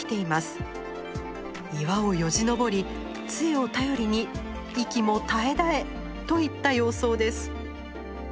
岩をよじ登り杖を頼りに息も絶え絶えといった様相です。